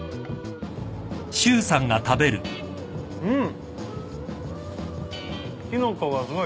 うん！